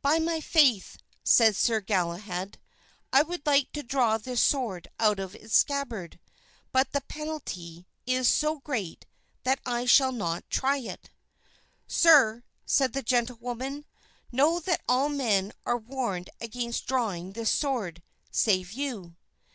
"By my faith," said Sir Galahad, "I would like to draw this sword out of its scabbard, but the penalty is so great that I shall not try it." "Sir," said the gentlewoman, "know that all men are warned against drawing this sword, save you."